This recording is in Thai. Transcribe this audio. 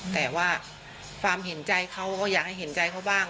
แต่ว่าความเห็นใจเขาก็อยากให้เห็นใจเขาบ้าง